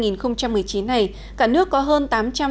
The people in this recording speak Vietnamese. năm hai nghìn một mươi chín này cả nước có hơn